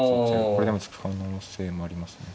これでも突く可能性もありますね。